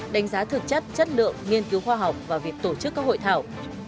đánh giá thực chất chất lượng nghiên cứu khoa học và việc tổ chức các hội thảo